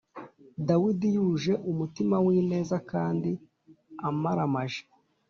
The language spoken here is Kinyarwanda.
dawidi yuje umutima w’ineza kandi amaramaje,